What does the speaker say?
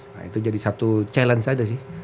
nah itu jadi satu challenge saja sih